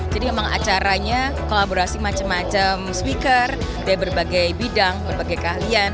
jadi memang acaranya kolaborasi macam macam speaker dari berbagai bidang berbagai kahlian